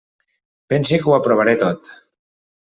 Pense que ho aprovaré tot.